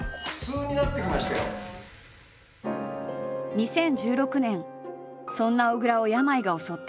２０１６年そんな小倉を病が襲った。